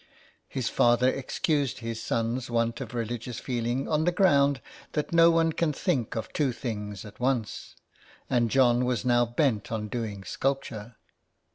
His father excused his son's want of religious feeling on the ground that no one can think of two things at once, and John was now bent on doing sculpture.